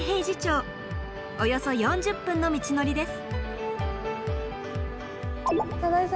およそ４０分の道のりです。